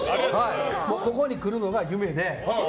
ここに来るのが夢で。